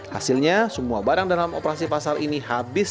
hasilnya semua barang dalam operasi pasar ini habis